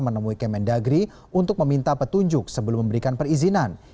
menemui kemendagri untuk meminta petunjuk sebelum memberikan perizinan